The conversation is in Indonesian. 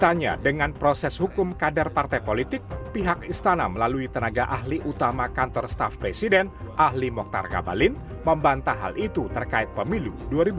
sebelumnya dengan proses hukum kadar partai politik pihak istana melalui tenaga ahli utama kantor staf presiden ahli moktar kabalin membantah hal itu terkait pemilu dua ribu dua puluh empat